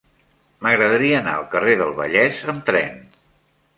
M'agradaria anar al carrer del Vallès amb tren.